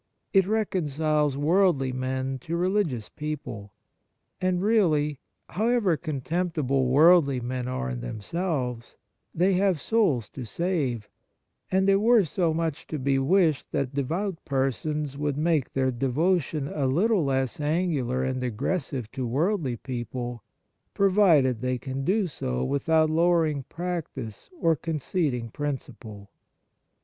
It reconciles worldly men to religious people ; and, really, however .contemptible worldly men are in themselves, they have souls to save, and it were much to be wished that devout persons would make their devo tion a little less angular and aggressive to worldly people, provided they can do so without lowering practice or conceding principle.